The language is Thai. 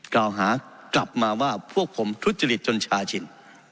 กล่าวหากลับมาว่าพวกผมทุจริตจนชาชิน